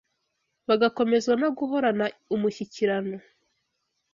bugakomezwa no guhorana umushyikirano